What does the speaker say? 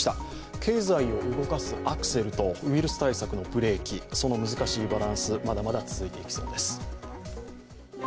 経済を動かすアクセルと、そのウイルス対策のブレーキ、その難しいバランスまだまだ続いていきそうです。